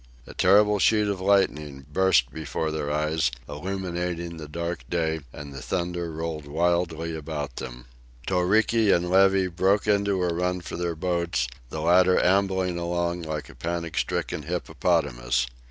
A terrible sheet of lightning burst before their eyes, illuminating the dark day, and the thunder rolled wildly about them. Toriki and Levy broke into a run for their boats, the latter ambling along like a panic stricken hippopotamus.